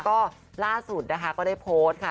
ก็ล่าสุดนะคะก็ได้โพสต์ค่ะ